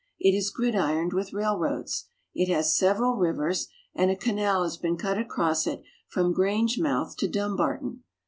It is gridironed with railroads ; it has several rivers, and a canal has been cut across it from Grangemouth to Dumbarton.